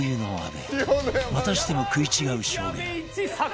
またしても食い違う証言